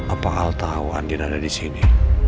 apakah al tahu andien ada di sini